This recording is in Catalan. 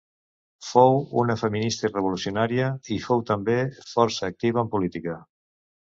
Fou una feminista i revolucionaria, i fou també força activa en política.